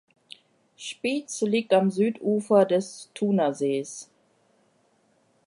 Spiez liegt am Südufer des Thunersees.